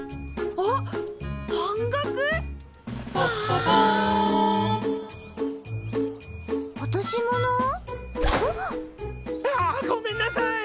あっ！わごめんなさい！